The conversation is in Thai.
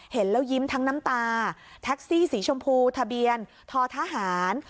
เห็นแล้วยิ้มทั้งน้ำตาแท็กซี่สีชมพูทะเบียนททหาร